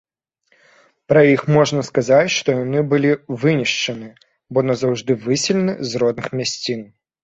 Пра іх можна сказаць, што яны былі вынішчаны, бо назаўжды выселены з родных мясцін.